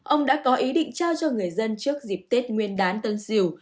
ông đã có ý định trao cho người dân trước dịp tết nguyên đán tân sỉu